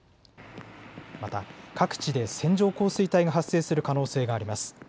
また、各地で線状降水帯が発生する可能性があります。